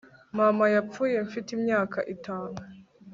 Mama yapfuye mfite imyaka itatu